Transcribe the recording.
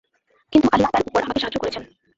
কিন্তু আল্লাহ তার উপর আমাকে সাহায্য করেছেন।